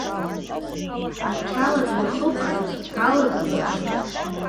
Ақьала днахыкәшан, алада длаԥшит.